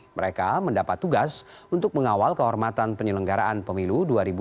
mereka mendapat tugas untuk mengawal kehormatan penyelenggaraan pemilu dua ribu dua puluh